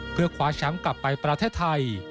เพื่อคว้าแชมป์กลับไปประเทศไทย